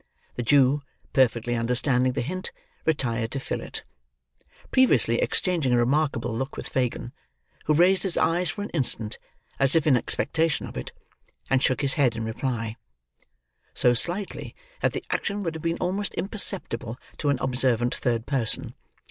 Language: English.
The Jew, perfectly understanding the hint, retired to fill it: previously exchanging a remarkable look with Fagin, who raised his eyes for an instant, as if in expectation of it, and shook his head in reply; so slightly that the action would have been almost imperceptible to an observant third person.